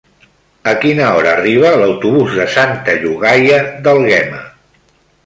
A quina hora arriba l'autobús de Santa Llogaia d'Àlguema?